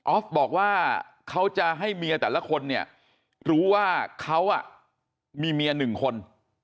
บอกว่าเขาจะให้เมียแต่ละคนเนี่ยรู้ว่าเขามีเมียหนึ่งคน